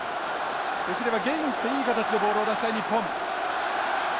できればゲインしていい形でボールを出したい日本。